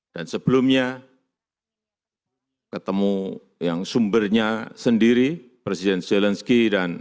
dan sebelumnya ketemu yang sumbernya sendiri presiden zelensky dan presiden putin